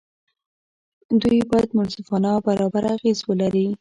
دوی باید منصفانه او برابر اغېز ولري.